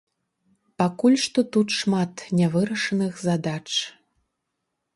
Пакуль што тут шмат нявырашаных задач.